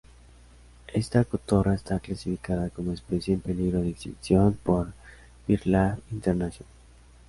Esta cotorra está clasificada como especie en peligro de extinción por BirdLife International.